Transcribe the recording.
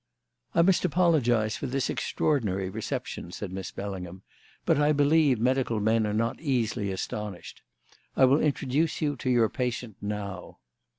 "I must apologise for this extraordinary reception," said Miss Bellingham; "but I believe medical men are not easily astonished. I will introduce you to your patient now."